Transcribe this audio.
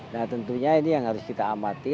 nah tentunya ini yang harus kita amati